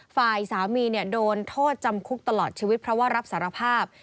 ฝ่ายสามีโดนโทษจำคุกตลอดชีวิตเพราะว่ารับสารภาพ